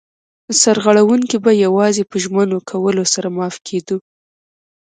سرغړونکی به یوازې په ژمنه کولو سره معاف کېده.